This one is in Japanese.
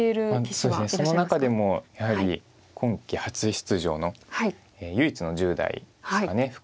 そうですねその中でもやはり今期初出場の唯一の１０代ですかね。